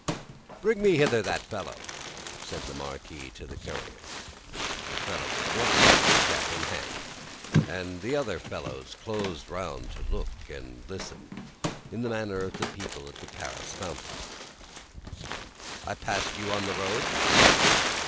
"Bring me hither that fellow!" said the Marquis to the courier. The fellow was brought, cap in hand, and the other fellows closed round to look and listen, in the manner of the people at the Paris fountain. "I passed you on the road?"